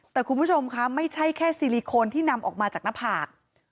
แต่คุณผู้ชมคะไม่ใช่แค่ซิลิโคนที่นำออกมาจากหน้าผาก